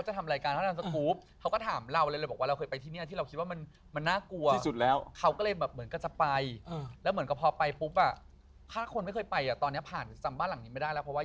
เพราะว่ามันเป็นย่าปิดแล้วเขาเขียนป้ายว่า